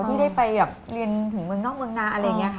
ที่ได้ไปเรียนถึงเมืองนอกเมืองนาอะไรอย่างนี้ค่ะ